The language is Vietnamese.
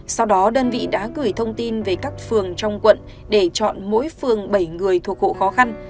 sau đó đơn vị đã gửi thông tin về các phường trong quận để chọn mỗi phường bảy người thuộc hộ khó khăn